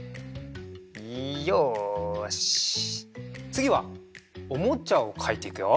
つぎはおもちゃをかいていくよ。